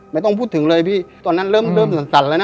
ไม่ต้องพูดถึงเลยพี่ตอนนั้นเริ่มสั่นแล้วนะ